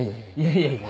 いやいや。